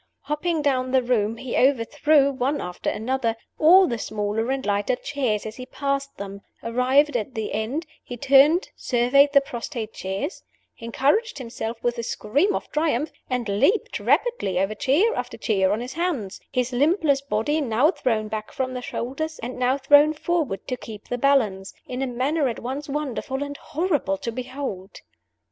Hopping down the room, he overthrew, one after another, all the smaller and lighter chairs as he passed them; arrived at the end, he turned, surveyed the prostrate chairs, encouraged himself with a scream of triumph, and leaped rapidly over chair after chair on his hands his limbless body now thrown back from the shoulders, and now thrown forward to keep the balance in a manner at once wonderful and horrible to behold.